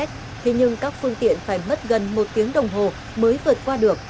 thế nhưng các phương tiện phải mất gần một tiếng đồng hồ mới vượt qua được